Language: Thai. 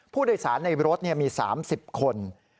ผู้โดยสารในรถมี๓๐คน